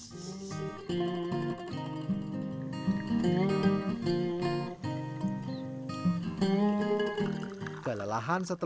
lalu saya mencoba dengan kekuatan